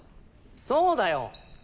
そうだよ！